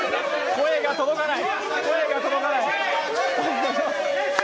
声が届かない。